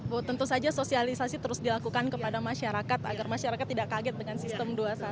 bu tentu saja sosialisasi terus dilakukan kepada masyarakat agar masyarakat tidak kaget dengan sistem dua puluh satu